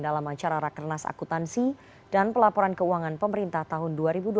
dalam acara rakernas akutansi dan pelaporan keuangan pemerintah tahun dua ribu dua puluh